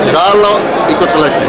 kalau ikut seleksi